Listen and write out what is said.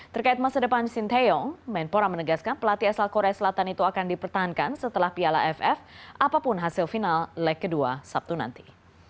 terkait masa depan shin taeyong menpora menegaskan pelatih asal korea selatan itu akan dipertahankan setelah piala ff apapun hasil final leg kedua sabtu nanti